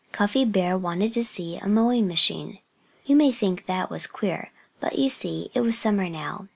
Cuffy Bear wanted to see a mowing machine. You may think that was queer. But you see, it was summer now.